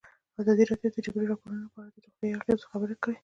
ازادي راډیو د د جګړې راپورونه په اړه د روغتیایي اغېزو خبره کړې.